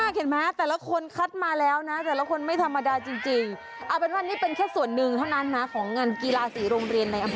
กำยำเออเห็นไหมแต่ละคนก็จะมีลีลา